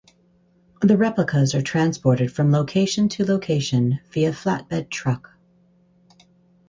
The replicas are transported from location to location via flatbed truck.